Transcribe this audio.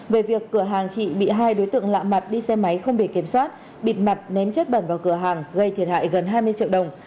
về việc cửa hàng chị bị hai đối tượng lạ mặt đi xe máy không bị kiểm soát bịt mặt ném chất bẩn vào cửa hàng gây thiệt hại gần hai mươi triệu đồng